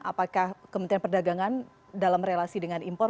apakah kementerian perdagangan dalam relasi dengan impor